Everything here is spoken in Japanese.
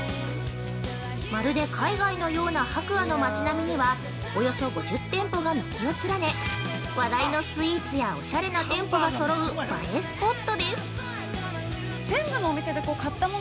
まるで海外のような白亜の町並みには、およそ５０店舗が軒を連ね話題のスイーツやおしゃれな店舗がそろう映えスポットです。